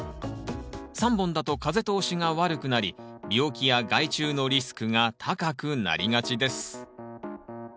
３本だと風通しが悪くなり病気や害虫のリスクが高くなりがちです。